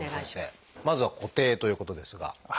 まずは「固定」ということですが。